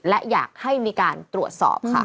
และอยากให้มีการตรวจสอบค่ะ